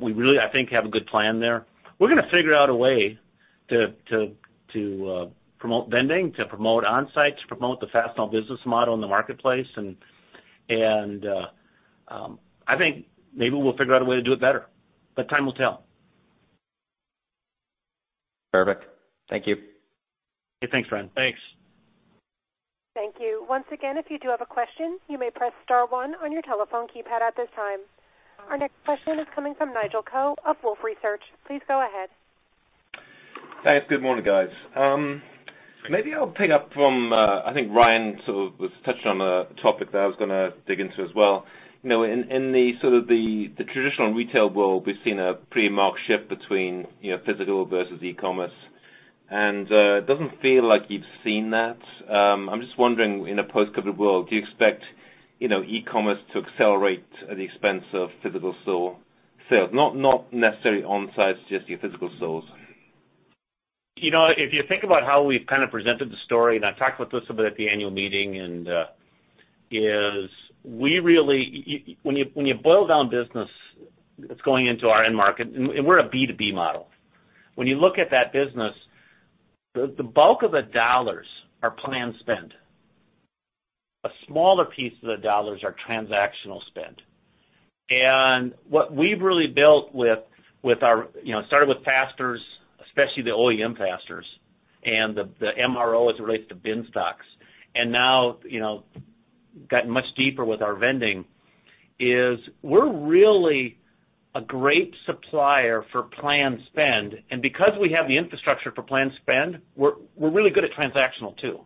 we really, I think, have a good plan there. We're gonna figure out a way to promote vending, to promote on-site, to promote the Fastenal business model in the marketplace and I think maybe we'll figure out a way to do it better. Time will tell. Perfect. Thank you. Hey, thanks, Ryan. Thanks. Thank you. Once again, if you do have a question, you may press star one on your telephone keypad at this time. Our next question is coming from Nigel Coe of Wolfe Research. Please go ahead. Thanks. Good morning, guys. Maybe I'll pick up from, I think Ryan sort of was touching on a topic that I was gonna dig into as well. In the sort of the traditional retail world, we've seen a pretty marked shift between physical versus e-commerce, and it doesn't feel like you've seen that. I'm just wondering, in a post-COVID world, do you expect e-commerce to accelerate at the expense of physical store sales? Not necessarily on-sites, just your physical stores. If you think about how we've kind of presented the story, I've talked about this a bit at the annual meeting, when you boil down business that's going into our end market, we're a B2B model. When you look at that business, the bulk of the dollars are planned spend. A smaller piece of the dollars are transactional spend. What we've really built with our, it started with fasteners, especially the OEM fasteners, the MRO as it relates to bin stocks. Now, gotten much deeper with our vending, is we're really a great supplier for planned spend. Because we have the infrastructure for planned spend, we're really good at transactional, too.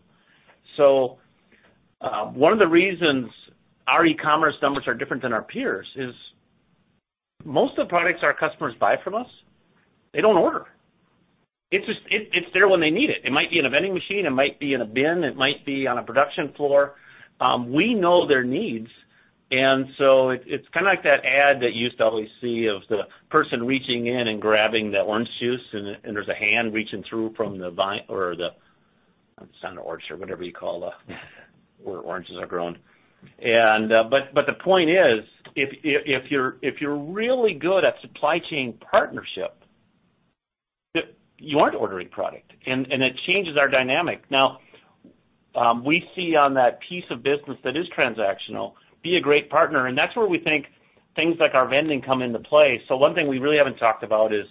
One of the reasons our e-commerce numbers are different than our peers is most of the products our customers buy from us, they don't order. It's there when they need it. It might be in a vending machine, it might be in a bin, it might be on a production floor. We know their needs, and so it's kind of like that ad that you used to always see of the person reaching in and grabbing the orange juice, and there's a hand reaching through from the vine or the It's not an orchard, whatever you call where oranges are grown. The point is, if you're really good at supply chain partnership, you aren't ordering product, and it changes our dynamic. Now, we see on that piece of business that is transactional, be a great partner, and that's where we think things like our vending come into play. One thing we really haven't talked about is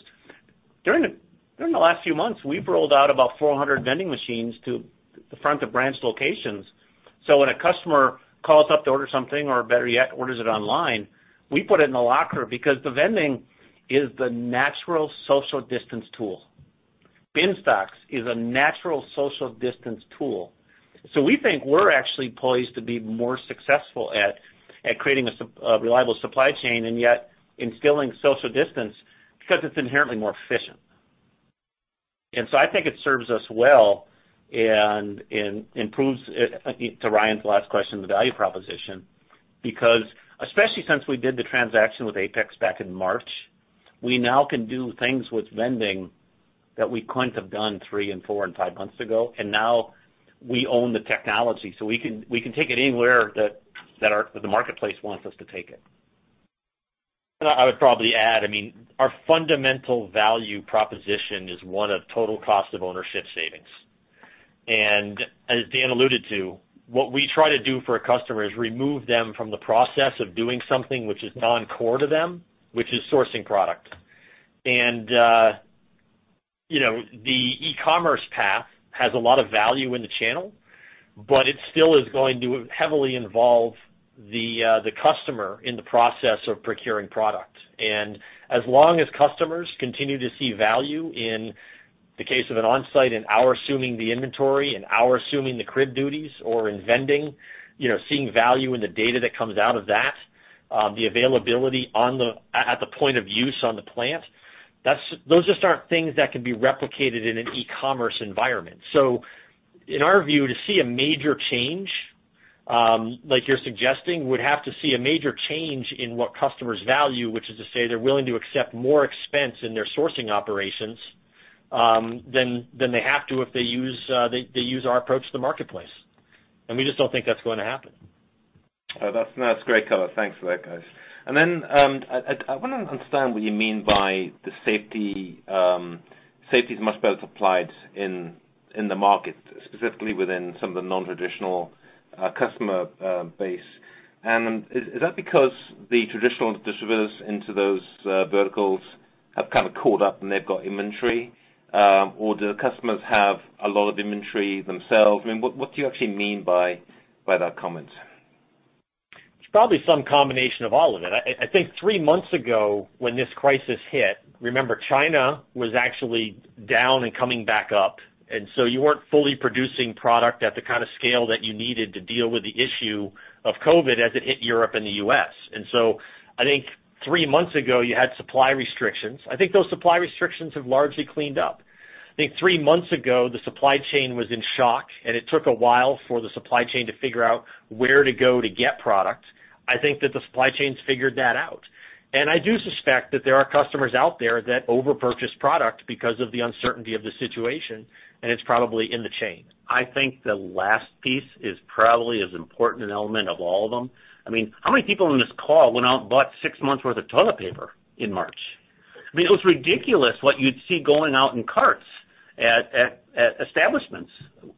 during the last few months, we've rolled out about 400 vending machines to the front of branch locations. When a customer calls up to order something, or better yet, orders it online, we put it in a locker because the vending is the natural social distance tool. Bin stocks is a natural social distance tool. We think we're actually poised to be more successful at creating a reliable supply chain and yet instilling social distance because it's inherently more efficient. I think it serves us well and improves, I think, to Ryan's last question, the value proposition, because especially since we did the transaction with Apex back in March, we now can do things with vending that we couldn't have done three and four and five months ago. Now we own the technology, so we can take it anywhere that the marketplace wants us to take it. I would probably add, our fundamental value proposition is one of total cost of ownership savings. As Dan alluded to, what we try to do for a customer is remove them from the process of doing something which is non-core to them, which is sourcing product. The e-commerce path has a lot of value in the channel, but it still is going to heavily involve the customer in the process of procuring product. As long as customers continue to see value in the case of an on-site and our assuming the inventory and our assuming the crib duties or in vending, seeing value in the data that comes out of that, the availability at the point of use on the plant, those just aren't things that can be replicated in an e-commerce environment. In our view, to see a major change, like you're suggesting, we'd have to see a major change in what customers value, which is to say they're willing to accept more expense in their sourcing operations than they have to if they use our approach to the marketplace. We just don't think that's going to happen. Oh, that's great color. Thanks for that, guys. I want to understand what you mean by the safety is much better supplied in the market, specifically within some of the non-traditional customer base. Is that because the traditional distributors into those verticals have kind of caught up and they've got inventory? Or do the customers have a lot of inventory themselves? I mean, what do you actually mean by that comment? It's probably some combination of all of it. I think three months ago when this crisis hit, remember China was actually down and coming back up, and so you weren't fully producing product at the kind of scale that you needed to deal with the issue of COVID-19 as it hit Europe and the U.S. I think three months ago, you had supply restrictions. I think those supply restrictions have largely cleaned up. I think three months ago, the supply chain was in shock, and it took a while for the supply chain to figure out where to go to get product. I think that the supply chain's figured that out. I do suspect that there are customers out there that over-purchased product because of the uncertainty of the situation, and it's probably in the chain. I think the last piece is probably as important an element of all of them. I mean, how many people on this call went out and bought six months worth of toilet paper in March? I mean, it was ridiculous what you'd see going out in carts at establishments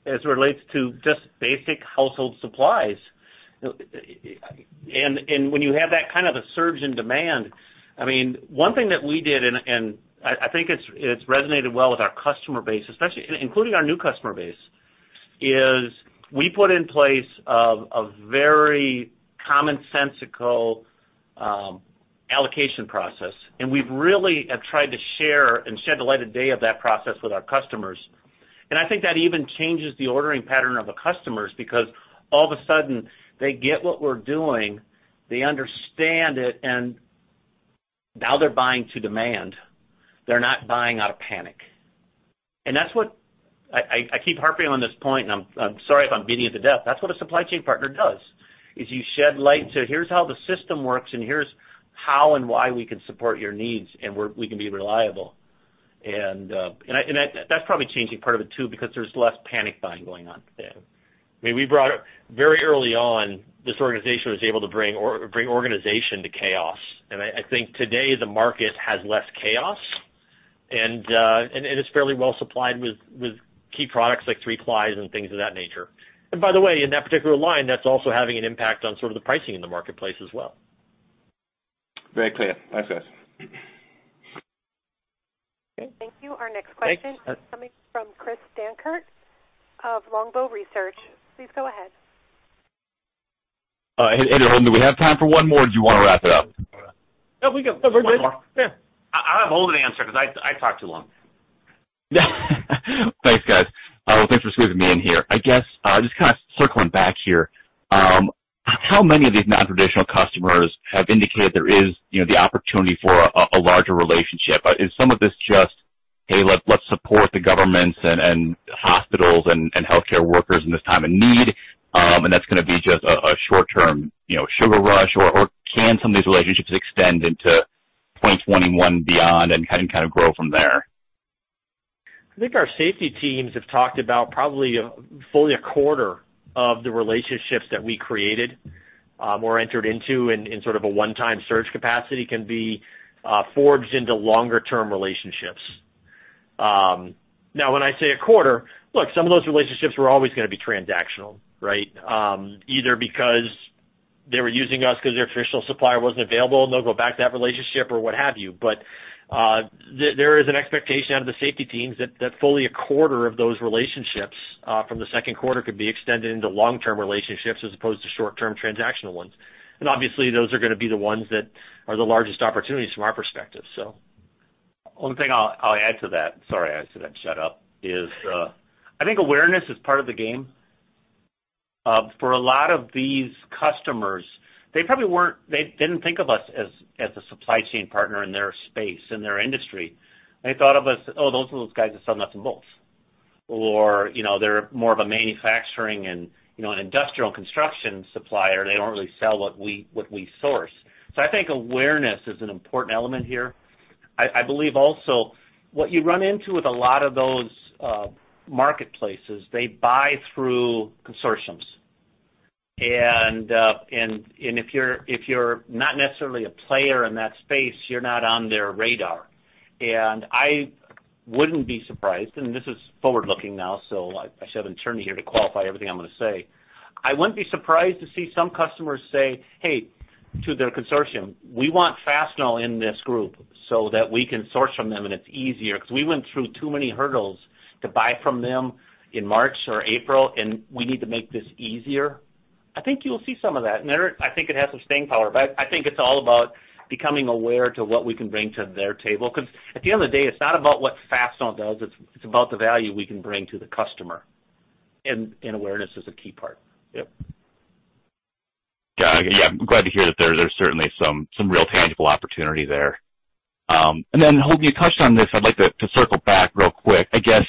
as it relates to just basic household supplies. When you have that kind of a surge in demand, I mean, one thing that we did, and I think it's resonated well with our customer base, especially including our new customer base, is we put in place a very commonsensical allocation process, and we really have tried to share and shed the light of day of that process with our customers. I think that even changes the ordering pattern of the customers because all of a sudden, they get what we're doing, they understand it, and now they're buying to demand. They're not buying out of panic. I keep harping on this point, and I'm sorry if I'm beating it to death. That's what a supply chain partner does, is you shed light and say, "Here's how the system works, and here's how and why we can support your needs and where we can be reliable." That's probably changing part of it too, because there's less panic buying going on today. I mean, very early on, this organization was able to bring organization to chaos. I think today the market has less chaos, and it is fairly well supplied with key products like three plies and things of that nature. By the way, in that particular line, that's also having an impact on sort of the pricing in the marketplace as well. Very clear. Thanks, guys. Thank you. Our next question. Thanks is coming from Christopher Dankert of Longbow Research. Please go ahead. Hey, do we have time for one more or do you want to wrap it up? No, we got one more. One more? Yeah. I'll hold the answer because I talk too long. Thanks, guys. Thanks for squeezing me in here. I guess, just kind of circling back here, how many of these non-traditional customers have indicated there is the opportunity for a larger relationship? Is some of this just, "Hey, let's support the governments and hospitals and healthcare workers in this time of need," and that's gonna be just a short-term sugar rush, or can some of these relationships extend into Q1 and beyond and kind of grow from there? I think our safety teams have talked about probably fully a quarter of the relationships that we created, or entered into in sort of a one-time surge capacity can be forged into longer-term relationships. When I say a quarter, look, some of those relationships were always going to be transactional, right? Either because they were using us because their traditional supplier wasn't available, and they'll go back to that relationship or what have you. There is an expectation out of the safety teams that fully a quarter of those relationships from the second quarter could be extended into long-term relationships as opposed to short-term transactional ones. Obviously those are going to be the ones that are the largest opportunities from our perspective. One thing I'll add to that, sorry I said I'd shut up, is I think awareness is part of the game. For a lot of these customers, they didn't think of us as a supply chain partner in their space, in their industry. They thought of us, "Oh, those are those guys that sell nuts and bolts." They're more of a manufacturing and an industrial construction supplier. They don't really sell what we source. I think awareness is an important element here. I believe also what you run into with a lot of those marketplaces, they buy through consortiums. If you're not necessarily a player in that space, you're not on their radar. I wouldn't be surprised, and this is forward-looking now, so I should have an attorney here to qualify everything I'm going to say. I wouldn't be surprised to see some customers say to their consortium, "We want Fastenal in this group so that we can source from them and it's easier, because we went through too many hurdles to buy from them in March or April, and we need to make this easier." I think you'll see some of that. I think it has some staying power, but I think it's all about becoming aware to what we can bring to their table. At the end of the day, it's not about what Fastenal does, it's about the value we can bring to the customer. Awareness is a key part. Yep. Yeah. I'm glad to hear that there's certainly some real tangible opportunity there. Then, Hope, you touched on this, I'd like to circle back real quick. I guess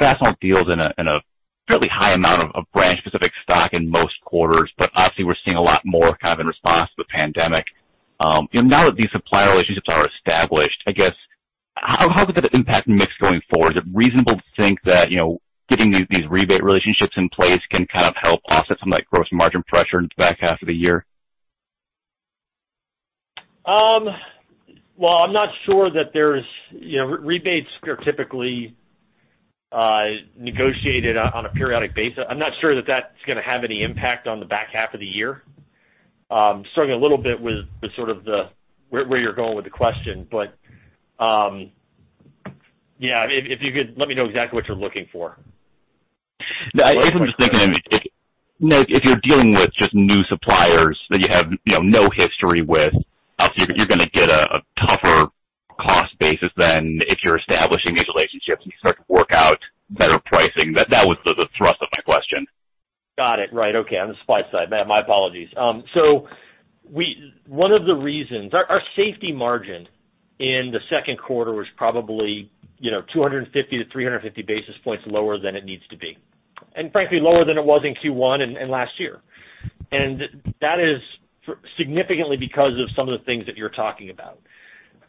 Fastenal deals in a fairly high amount of branch-specific stock in most quarters, but obviously we're seeing a lot more kind of in response to the pandemic. Now that these supplier relationships are established, I guess, how could that impact mix going forward? Is it reasonable to think that getting these rebate relationships in place can kind of help offset some of that gross margin pressure in the back half of the year? Well, rebates are typically negotiated on a periodic basis. I'm not sure that that's going to have any impact on the back half of the year. Struggling a little bit with sort of where you're going with the question. If you could let me know exactly what you're looking for. I'm just thinking if you're dealing with just new suppliers that you have no history with, obviously you're going to get a tougher cost basis than if you're establishing these relationships and you start to work out better pricing. That was the thrust of my question. Got it. Right. Okay. On the supply side. My apologies. Our safety margin in the second quarter was probably 250-350 basis points lower than it needs to be, and frankly, lower than it was in Q1 and last year. That is significantly because of some of the things that you're talking about.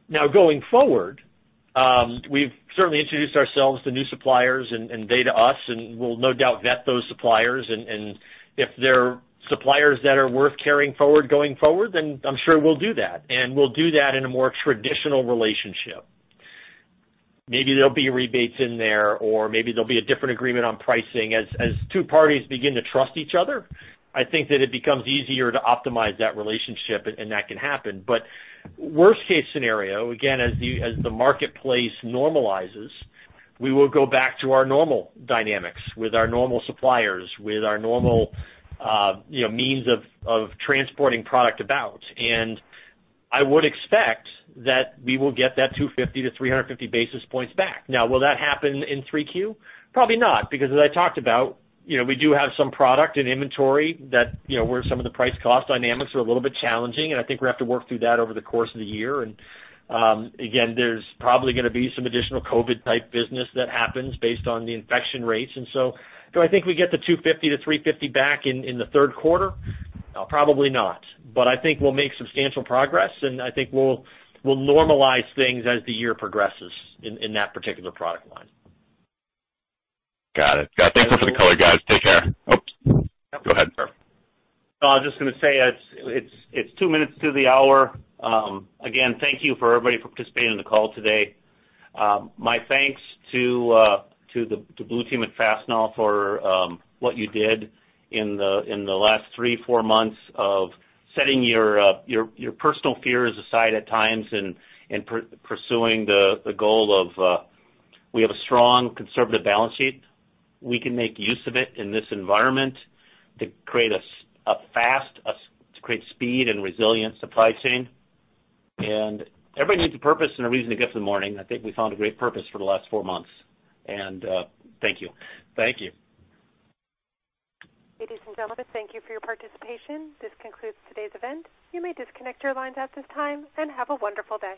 Now, going forward, we've certainly introduced ourselves to new suppliers and they to us, and we'll no doubt vet those suppliers. If they're suppliers that are worth carrying forward going forward, I'm sure we'll do that. We'll do that in a more traditional relationship. Maybe there'll be rebates in there, or maybe there'll be a different agreement on pricing. As two parties begin to trust each other, I think that it becomes easier to optimize that relationship, and that can happen. Worst case scenario, again, as the marketplace normalizes, we will go back to our normal dynamics with our normal suppliers, with our normal means of transporting product about. I would expect that we will get that 250 to 350 basis points back. Will that happen in Q3? Probably not, because as I talked about, we do have some product and inventory where some of the price cost dynamics are a little bit challenging, and I think we have to work through that over the course of the year. Again, there's probably going to be some additional COVID-19 type business that happens based on the infection rates. Do I think we get the 250 to 350 back in the third quarter? Probably not. I think we'll make substantial progress, and I think we'll normalize things as the year progresses in that particular product line. Got it. Thank you for the color, guys. Take care. Oops. Go ahead. I was just going to say it's two minutes to the hour. Thank you for everybody participating in the call today. My thanks to the blue team at Fastenal for what you did in the last three, four months of setting your personal fears aside at times and pursuing the goal of we have a strong conservative balance sheet. We can make use of it in this environment to create speed and resilient supply chain. Everybody needs a purpose and a reason to get up in the morning. I think we found a great purpose for the last four months. Thank you. Ladies and gentlemen, thank you for your participation. This concludes today's event. You may disconnect your lines at this time, and have a wonderful day.